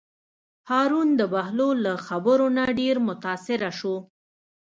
هارون د بهلول له خبرو نه ډېر متأثره شو.